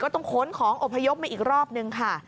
ก็ต้องโคนของอพยพอีกรอบหนึ่งค่ะ